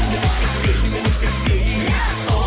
บอกแล้วไงให้กลับ